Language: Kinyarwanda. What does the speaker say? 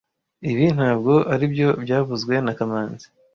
Ibi ntabwo aribyo byavuzwe na kamanzi